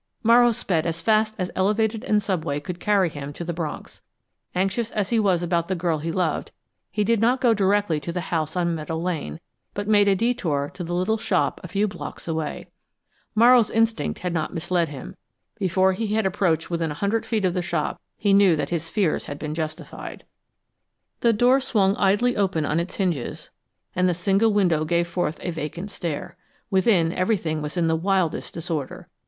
Morrow sped as fast as elevated and subway could carry him to the Bronx. Anxious as he was about the girl he loved, he did not go directly to the house on Meadow Lane, but made a detour to the little shop a few blocks away. Morrow's instinct had not misled him. Before he had approached within a hundred feet of the shop he knew that his fears had been justified. The door swung idly open on its hinges, and the single window gave forth a vacant stare. Within everything was in the wildest disorder.